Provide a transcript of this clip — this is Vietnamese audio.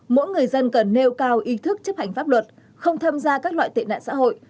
mỗi người dân cần nêu cao ý thức chấp hành pháp luật không tham gia các loại tệ nạn xã hội